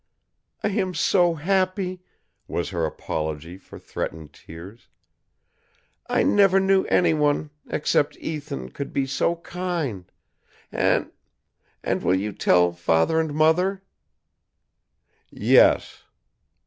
"I am so happy," was her apology for threatened tears. "I never knew anyone except Ethan could be so kind. And and, will you tell Father and Mother?" "Yes."